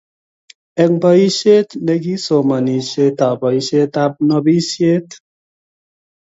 eng boishet negisomaneeboishetab nobishet